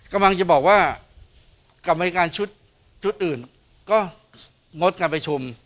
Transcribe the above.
กำลังจะบอกว่ากรรมการชุดอื่นก็งดการประชุม